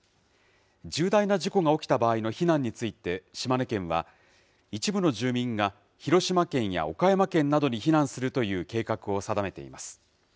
重大な事故が起きた場合の避難について島根県は、一部の住民が広島県や岡山県などに避難するという計画を定めています。